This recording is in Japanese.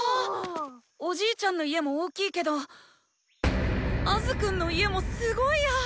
おじいちゃんの家も大きいけどアズくんの家もすごいや！